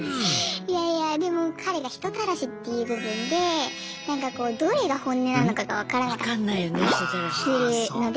いやいやでも彼が人たらしっていう部分でなんかこうどれが本音なのかが分からなかったりするので。